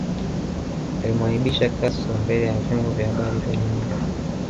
Alimuaibisha Castro mbele ya vyombo vya habari vya dunia